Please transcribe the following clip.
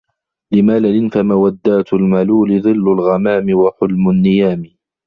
لِمِلَلٍ فَمَوَدَّاتُ الْمَلُولِ ظِلُّ الْغَمَامِ وَحُلْمُ النِّيَامِ